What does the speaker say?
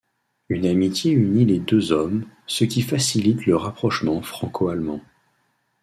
Une amitié unit les deux hommes, ce qui facilite le rapprochement franco-allemand.